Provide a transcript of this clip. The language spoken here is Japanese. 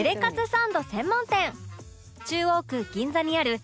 サンド専門店